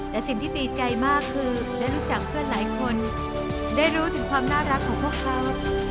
แต่สิ่งที่ดีใจมากคือได้รู้จักเพื่อนหลายคนได้รู้ถึงความน่ารักของพวกเขา